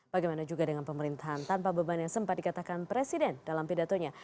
bagaimana juga dengan pemerintahan tanpa beban yang sempat dikatakan presiden dalam pidatonya